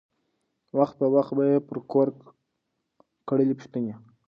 وخت په وخت به یې پر کور کړلی پوښتني